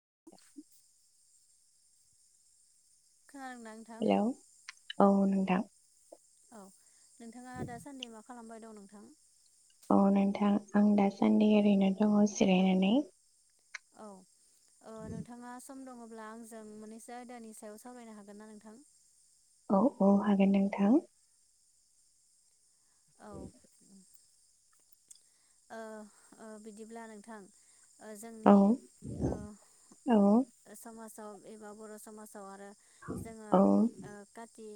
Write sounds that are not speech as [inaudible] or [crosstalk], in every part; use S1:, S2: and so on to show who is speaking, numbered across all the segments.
S1: [inaudible]
S2: खोनादों ना नोंथां?
S1: हेलौ औ नोंथां,
S2: औ नोंथाङा दासान्दि मा मा खालामबाय दं नोंथां?
S1: औ नोंथां आं दासान्दि ओरैनो दङ जिरायनानै,
S2: औ ओ नोंथाङा सम दङ, अब्ला आंजों मोननैसो आयदानि सायाव सावरायनो हागोन ना नोंथां?
S1: औ औ हागोन नोंथां।
S2: औ बिदिब्ला नोंथां
S1: औ
S2: जोंनि ओ समाज [unintelligible] एबा बर' समाजाव आरो जोङो
S1: औ
S2: काति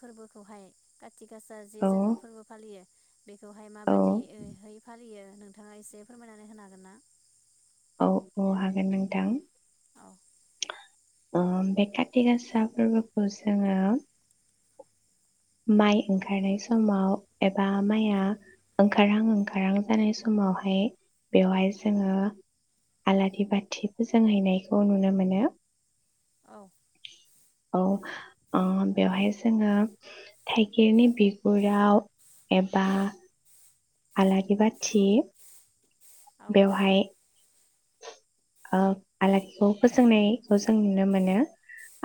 S2: फोरबोखौहाय खा थि गासा
S1: औ
S2: जि जोङो फोरबो फालियो बेखौहाय माबादि ओ है [unintelligible] नोंथाङा एसे फोरमायनानै होनो हागोन ना?
S1: औ औ हागोन नोंथां।
S2: औ
S1: बे काति गासा फोरबोखौ जोङो माइ ओंखारनाय समाव एबा माइआ ओंखारहां ओंखारहां जानाय समावहाय बेवहाय जोङो आलारि बाथि फोजोंहैनायखौ नुनो मोनो।
S2: औ
S1: औ बेवहाय जोङो थाइगेरनि बिगुराव एबा आलारि बाथि
S2: औ
S1: बेवहाय आलारिखौ फोजोंनायखौ जों नुनो मोनो।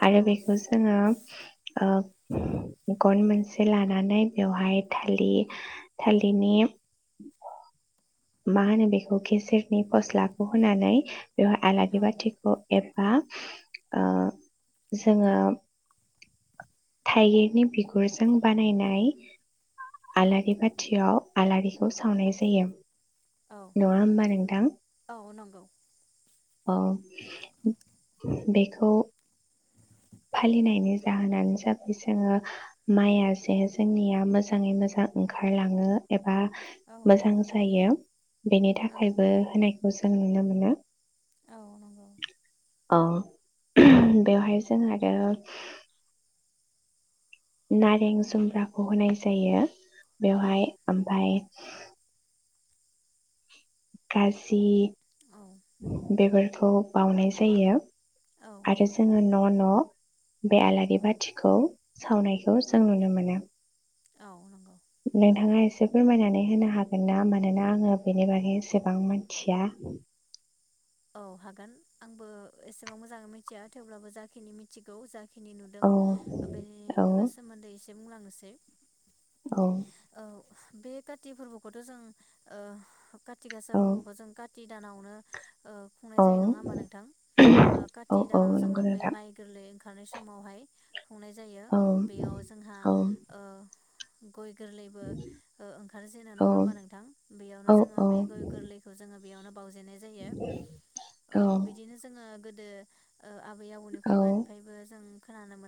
S1: आरो
S2: औ
S1: बेखौ जोङो गन मोनसे लानानै बेवहाय थालि थालिरनि मा होनो बेखौ गेजेरनि फस्लाखौ होनानै बेवहाय आलारि
S2: औ
S1: बाथिखौ ए बा जोङो थाइगिरनि बिगुरजों बानायनाय आलारि बाथियाव आलारिखौ सावनाय जायो।
S2: औ
S1: नङा होमबा नोंथां
S2: औ नंगौ
S1: औ बेखौ फालिनायनि जाहोनानो जाबाय जोङो माइया जे जोंनिया मोजाङै मोजां ओंखारलाङो एब बा
S2: औ
S1: मोजां जायो बेनि
S2: औ
S1: थाखायबो होनाय खौ जों नुनो मोनो
S2: औ नंगौ
S1: बेवहाय जोङो आरो नारें जुम्ब्राखौ होनाय जायो।
S2: औ
S1: बेवहाय ओमफ्राय [inaudible] गाजि बेफोरखौ बावनाय जायो।
S2: औ
S1: आरो जोङो न' [unintelligible] बे आलारि बाथिखौ सावनायखौ
S2: औ
S1: जों नुनो मोनो।
S2: औ नंगौ।
S1: नोंथांङा एसे फोरमायनानै होनो हागोन ना? मानोना आङो बेनि बागै एसेबां मिथिया।
S2: औ हागोन, आंबो एसेबां मोजांङै मिथिया थेवब्लाबो जाखिनि मिथिगौ [unintelligible] खिनि नुदों
S1: औ
S2: ओ बेनि ओ सोमोन्दै एसे बुंलांनोसै
S1: औ
S2: औ बे काति फोरबोखौथ' जों ओ [unintelligible] खाथि
S1: औ
S2: गासाफोरखौबो जों खाथि दानावनो
S1: औ
S2: खुंनाय जायो नंङा होमबा नोंथां? ओ
S1: औ
S2: काति
S1: औ
S2: दानाव जोङो
S1: नंगौ
S2: बै
S1: नोंथां
S2: माइ गोरलै ओंखारनाय समावहाय खुंनाय जायो
S1: औ
S2: बेयाव जोंहा
S1: औ
S2: ओ गय गोरलैबो ओ -ओंखार जेनो
S1: औ
S2: नंङा होमबा नोंथां बेयावनो
S1: औ
S2: जोङो
S1: औ
S2: बे गय गोरलैखौ जोङो [unintelligible] बावजेननाय जायो। औ बिदिनो जोंङो [unintelligible] उम ओ आबै -आबौनि
S1: औ
S2: खुगानिफ्रायबो जों [unintelligible]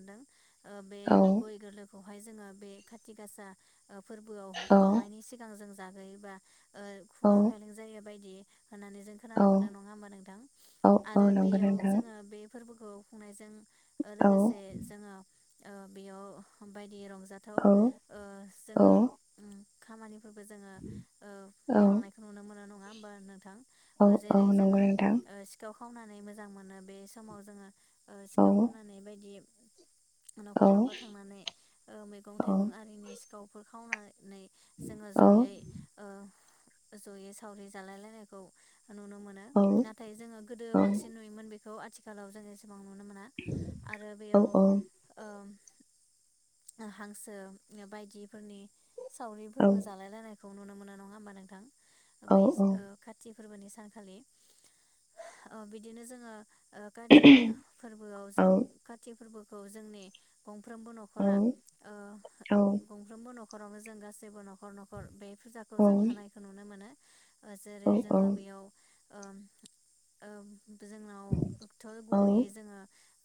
S2: ओ बे
S1: औ
S2: गय गोरलैखौ ओमफ्राय जोंङो बे काति गासा [unintelligible] फोरबोआव बाउनायनि सिगां जों जाग्रोयोबा ओ खुगा खायलें जायो बायदि होननानै जों खोनानो मोनदों। नङा होमबा नोंथां आरो
S1: नंगौ
S2: बेयाव
S1: नोंथां
S2: जोंङो बे फोरबोखौ खुंनायजों ओ
S1: औ
S2: लोगोसे जोङो ओ बेयाव बायदि रंजा जाथाव
S1: औ
S2: ओ
S1: औ
S2: जोङो उम खामानि फोरबो जोंङो ओ मावलांनायखौ नुनो मोनो नंङा होमबा नोंथां
S1: औ औ औ
S2: जोङो
S1: औ औ
S2: ओ सिखाव खावनानै मोजां मोनो बे समाव जोङो ओ सिखाव खावनानै बायदि नखर नखर थांनानै ओ मैगं थाइगं आरिनि दाउफोर खावनानै नै जोङो जयै ओ जयै सावरि जालायलायनायखौ नुनो मोनो नाथाय जोङो गोदो बांसिन नुयोमोन बेखौ खौ आथिखालाव [unintelligible] गोबां नुनो मोना आरो बेयाव ओ हांसो बायदिफोरनि
S1: औ
S2: सावरिफोरबो जालाय लायनाय खौ नुनो मोनो नङा होमबा नोंथां
S1: औ
S2: बेस ओ खाथि फोरबोनि सानखालि ओ बिदिनो जोङो ओ काति फोरबोआव जों काति फोरबो खौ जोंनि गंफ्रोमबो नखरा ओ गंफ्रोमबो नखर नखरावनो जों गासैबो नखर नखर बे फुजाखौ जों होनायखौ नुनो मोनो ओ जेरै जोङो बेयाव ओओ जोंनावथ गुबैयै जोङो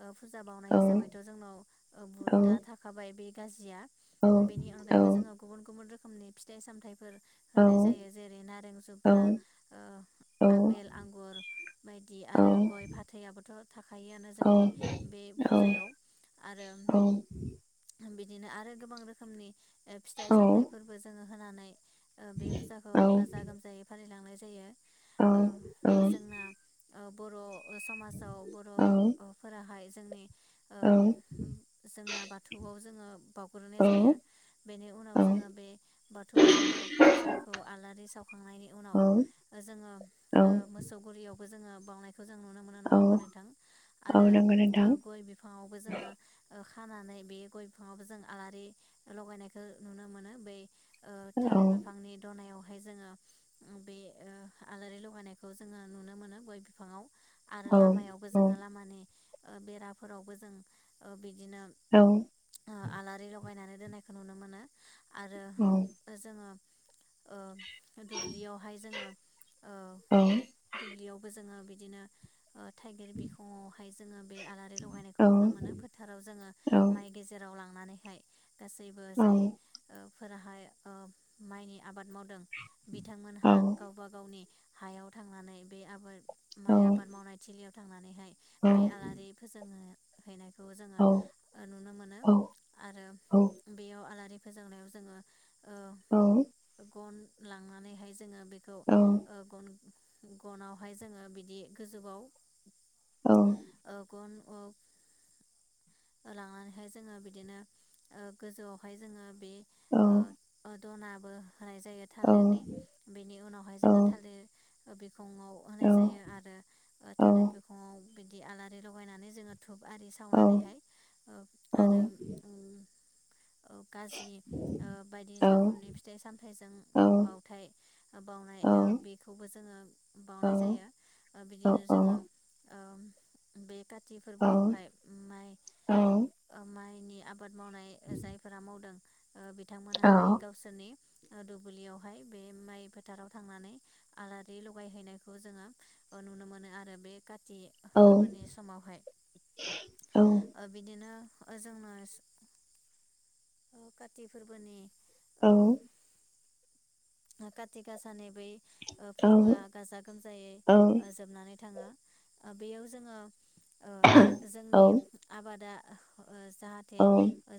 S2: औ फुजा
S1: औ
S2: बावनाय हिसाबैथ जोंनाव ओ
S1: औ
S2: बुधा थाखाबाय बे गाजिया बेनि अनगायैबो जोङो गुबुन गुबुन रोखोम नि फिथाइ सामथाइ फोर होनाय जायो जेरै नारें जुमब्रा ओ आपेल, आंगुर बायदि आरो गय फाथै आबो थ [inaudible] थाखायोआनो जोंनि बे फुजायाव आरो बिदिनो आरो गोबां रोखोमनि फिथाइ सामथायफोरबो जोङो होनानै ओ बे फुजाखौ गाजा गोमजायै फालिलांनाय जायो ओ जोंना ओ बर' समाजाव बर' फोराहाय औ जोंना बाथौआव जोङो बावउग्रोनाय जायो बेनि उनाव जोङो बे बाथौआव जोङो फुजाखौ आलारि सावखांनायनि उनाव जोङो ओ मोसौगुलियाव जों बावनाय खौ जों नुनो मोनो नङा होमबा नोंथां आरो
S1: नंगौ नोंथां
S2: गय बिफांआवबो जोङो खानानै बे गय बिफाङावबो जों आलारि लगायनायखौ नुनो मोनो बै ओ
S1: औ
S2: थालिर बिफांनि दनायाव जों उम बे ओ आलारि लगाय होनायखौ जोङो नुनो मोनो गय बिफाङाव आरो
S1: औ
S2: लामायावबो जोङो लामानि बेराफोरावबो जों ओ बे बिदिनो
S1: औ औ
S2: आलारि होनानै दोननायखौ नुनो मोनो। आरो जोङो ओ दुब्लियावहाय जोङो ओ
S1: औ
S2: दुब्लियावबो जोङो बि बिदिनो थाइगिर बिखङावहाय जोङो बे आलारि लगायनायखौ नुनो मोनो
S1: औ औ
S2: फोथाराव जोङो माइ
S1: औ
S2: गेजेराव लाड़ थांनानैहाय गासैबो
S1: औ
S2: जाय ओ फोराहाय माइनि आबाद माव बिथांमोनहा गावबा गावनि हायाव थांनानै बे आबाद माइ आबाद
S1: औ
S2: मावनाय थिलियाव थांनानैहाय
S1: औ
S2: बे आलारि फोजोङो [unintelligible] खौ जोङो नुनो मोनो आरो बेयाव आलारि फोजोंनायाव जोङो ओ
S1: औ
S2: गन लांनानैहाय जोङो बेखौ गन गनावहाय जोङो बिदि गोजौआव ओ गन औ लांनानैहाय जोङो बिदिनो ओ गोजौयावहाय जोङो बे
S1: औ
S2: ओ ओ दनाबो होनाय जायो थालिरनि बेनि उनावहाय जोङो थालिर ओ बि खङाव होनाय जायो आरो
S1: औ
S2: थालिर बिखङाव बिदि आलारि लगायनानै जोङो धुब आरि
S1: औ औ
S2: सावनानैहाय
S1: औ
S2: आरो उम ओ गाज्रि ओ बायदि
S1: नंगौ
S2: रोखोमनि फिथाइ सामथाइजों ओ बावथाय बावनाय बेखौबो जोङो बाउनाय जायो बिदिनो जोङो ओ बे का टि फोरबोआवहाय माइ ओ माइ आबाद मावनाय जायफोरा मावदों ओ बिथांमोनाहाय गावसोरनि ओ दुब्लियावहाय बे माइ फोथाराव थांनानै आलारि लगायहैनायखौ जोङो नुनो मोनो आरो बे काति फोरबोनि समावहाय ओ बिदिनो जोंनो काति फोरबोनि औ काटि गासानि बै ओ फोरबोआ गाजा गोमजायै ओ जोबनानै थाङो, दा बेयाव जोङो ओ जोंनि आबादा ओ जाहाथे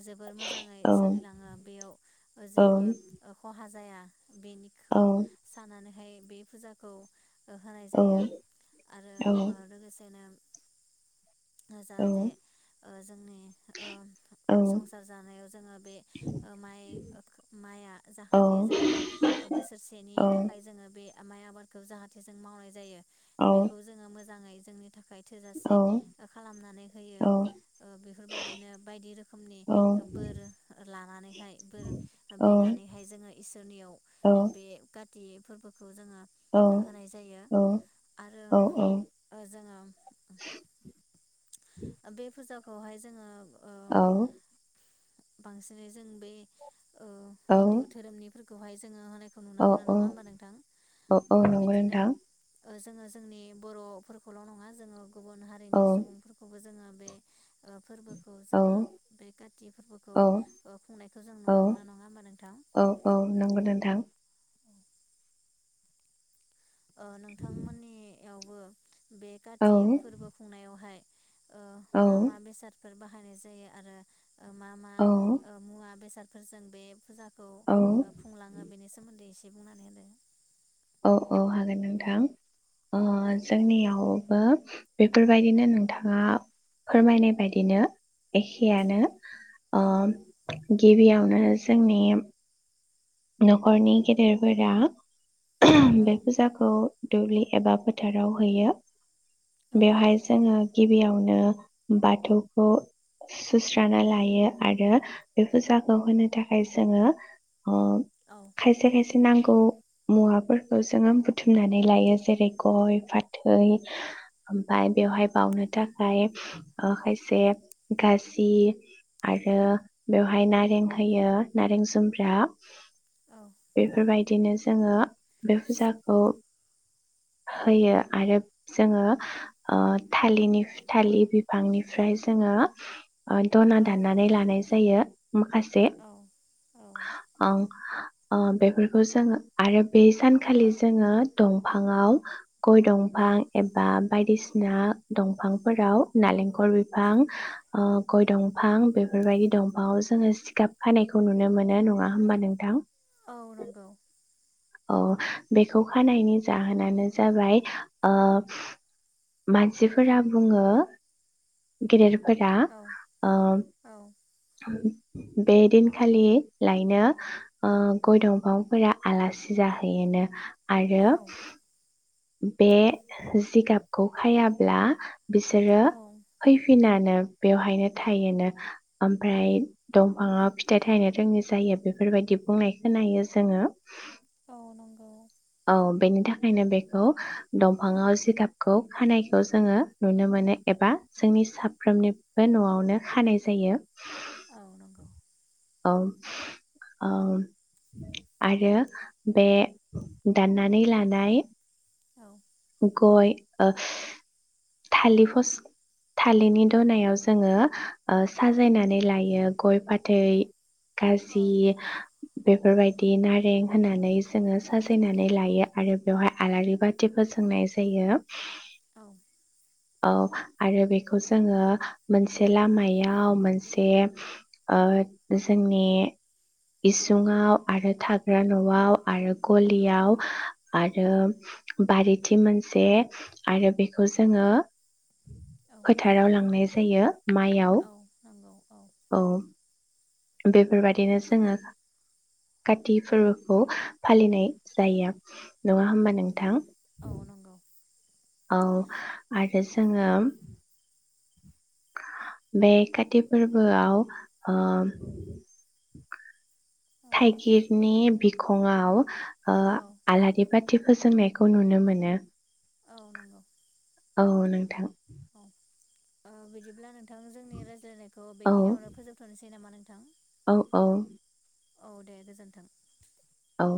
S2: जोबोर मोजाङै सोलिलाङो बेयाव जेबो ओ खहा जाया बेनिखौ सान्नानैहाय बे फुजाखौ ओ होनाय जायो आरो ओ लोगोसेनो जाहाथे ओ जोंनि औ संसार जानायाव जोङो बे माइ- माइया जाहाथे जोंनियाव बोसोरसेनि थाखाय जोङो बे माइ आबादखौ जाहाथे जों मावनाय जायो बेखौ जोङो मोजाङै जोंनि थाखाय थोजासे खालामनानै होयो ओ बेफोरबायदिनो बायदि रोखोमनि बोर लानानैहाय, बोर बिनानैहाय जोङो इसोरनियाव अ बे काथि फोरबो खौ जोङो होनाय जायो आरो अ जोङो अ बे फुजाखौहाय जोङो ओ
S1: औ।
S2: बांसिनै जों बे औ हिन्दु धोरोमनि फोर खौहाय
S1: औ औ औ औ नंगौ नोंथां।
S2: जोङो जोंनि बर'फोरखौल' नङा जोङो गुबुन
S1: औ
S2: हारिनि सुबुं बेखौबो जोङो बे ओ फोरबोखौ जोङो,
S1: औ
S2: बे काति फोरबोखौ
S1: औ
S2: अ खुंनायखौ जों नुनो
S1: औ
S2: मोनो नङा होमबा नोंथां?
S1: औ औ नंगौ नोंथां
S2: अ नोंथांमोननि इयावबो बे
S1: औ
S2: काति फोरबो खुंनायावहाय अ
S1: औ
S2: मा -मा बेसाद फोर बाहायनाय जायो आरो मा मा
S1: औ
S2: अ मुवा बेसाद फोरजों बे फुजा खौ खुंलाङो बेनि सोमोन्दै दे बुंनानै होदो
S1: औ-औ हागोन नोंथां। अ
S2: होदो।
S1: जोंनियाव बेफोरबायदिनो नोंथाङा फोरमायनाय बायदिनो एखेयानो आ
S2: औ
S1: गिबियावनो जोंनि नखरनि गेदेरफोरा
S2: औ
S1: बे फुजाखौ दुब्लि एबा फोथाराव हैयो।
S2: औ
S1: बेवहाय जोङो गिबियावनो बाथौखौ सुस्राना लायो आरो बे फुजाखौ होनो थाखाय जोङो अ
S2: औ
S1: खायसे खायसे नांगौ मुवाफोरखौ जोङो बुथुमनानै लायो जेरै गय-फाथै ओमफ्राय बेवहाय बानो थाखाय अ
S2: औ
S1: खायसे गाजि आरो बेवहाय नारें होयो नारें जुम्ब्रा द बेफोर बाय बिदिनो जोङो बे फुजाखौ होयो आरो जोङो थालिर बिफांनिफ्राय जोङो धना
S2: औ
S1: दाननानै लानाय जायो। माखासे बेफोरखौ जोङो आरो बे सानखालि जोङो दंफाङाव गय दंफां
S2: औ
S1: एबा बायदिसिना ना दंफांफोराव नालेंखर बिफां गय दंफां बेफोरबायदि दंफांआव जोङो जिगाब खानायखौ नुनो मोनो नङा। होमबा नोंथां
S2: औ नंगौ।
S1: औ बेखौ खानायनि जाहोनानो जाबाय मानसिफोरा बुङो गेदेर
S2: औ
S1: आ
S2: औ
S1: बे दिनखालि लायनो गय दंफांफोरा आलासि जाहैयोनो आरो
S2: औ
S1: बे जिगाबखौ हायाब्ला बिसोरो फैफिना बेवहायनो थायोनो ओमफ्राय दंफाङाव फिथाइ थायनो रोङै जायो बेफोरबायदि बुंनाय खोनायो जोङो
S2: औ नंगौ।
S1: औ बेनो दा ओंखायनो बेखौ दंफाङाव जिगाबखौ खानायखौ जोङो नुनो मोनो एबा जोंनि साफ्रोमनिबो न'आवनो खानाय जायो
S2: औ नंगौ
S1: औ ओ आरो बे दाननानै लानाय
S2: औ
S1: गय ओ थालिर फसला थालिरनि दनायाव जोङो साजायनानै लायो गय फाथै
S2: औ
S1: खासि बेफोरबायदि नारें होननानै जोङो साजायनानै लायो आरो बेवहाय आलारि बाथिफोर जोंनाय जायो
S2: औ
S1: औ आरो बेखौ जोङो मोनसे लामायाव मोनसे ओ जोंनि इसुङाव आरो थाग्रा न'आव आरो गलियाव आरो बारि थिं मोनसे आरो बेखौ जोङो फोथाराव लांनाय जायो माइयाव
S2: औ नंगौ।
S1: औ बेफोरबादिनो जोङो काति फोरबोखौ फालिनाय जायो नङा
S2: औ
S1: होनबा नोंथां
S2: औ नंगौ
S1: औ
S2: औ
S1: आरो जोङो बे काति फोरबोआव ओ थाइगिरनि बिखङआव ओ
S2: औ
S1: आलारि बाथि फोजोंनायखौ नुनो मोनो
S2: [unintelligible]
S1: औ नोंथां
S2: औ ओ बिदिब्ला नों नोंथां जोंनि रायज्लायनायखौ
S1: औ
S2: बेखिनियावनो फोजोबथ'नोसै [unintelligible] नामा नोंथां
S1: औ औ
S2: औ दे गोजोन्थों
S1: औ